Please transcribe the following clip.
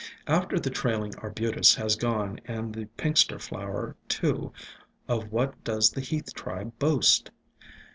After the Trailing Arbutus has gone and the Pinxter flower, too, of what does the Heath tribe boast?